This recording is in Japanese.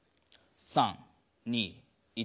３２１。